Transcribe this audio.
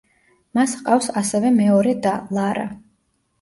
მას ჰყავს ასევე მეორე და ლარა.